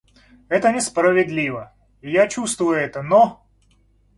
Это несправедливо, и я чувствую это, но...